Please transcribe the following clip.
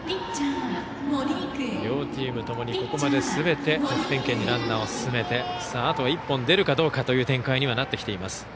両チームともにここまですべて得点圏にランナーを進めてあと１本出るかどうかという展開にはなってきています。